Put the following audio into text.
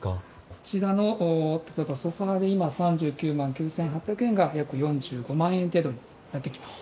こちらの例えばソファで今、３９万９８００円が、約４５万円程度になってきます。